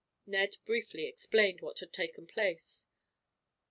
Ned briefly explained what had taken place.